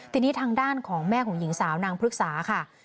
ทีนี้ทางด้านของแม่ของหญิงสาวนางพฤกษาค่ะ